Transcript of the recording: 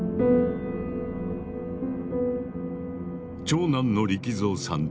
長男の力蔵さん